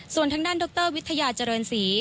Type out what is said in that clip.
ส่วนทางด้านดรวิทยาเจริญศรี